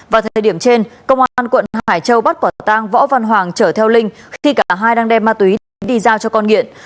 vào thời điểm trên công an quận hải châu bắt quả tang võ văn hoàng chở theo linh khi cả hai đang đem ma túy đến đi giao cho con nghiện